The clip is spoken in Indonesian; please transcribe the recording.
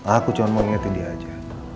aku cuma mau ingetin dia aja